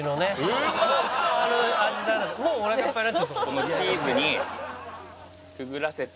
このチーズにくぐらせて。